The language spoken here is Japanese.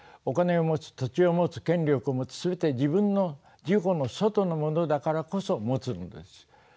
お金を持つ土地を持つ権力を持つ全て自分の自己の外のものだからこそ持つのです。